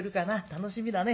楽しみだね。